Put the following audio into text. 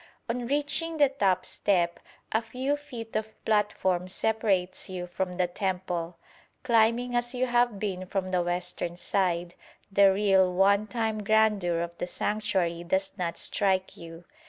On reaching the top step, a few feet of platform separates you from the temple. Climbing as you have been from the western side, the real one time grandeur of the sanctuary does not strike you.